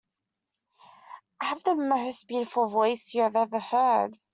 I have the most beautiful voice you have ever heard.